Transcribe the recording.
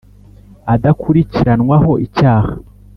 adakurikiranwaho icyaha;